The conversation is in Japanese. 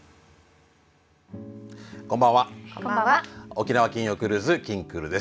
「沖縄金曜クルーズきんくる」です。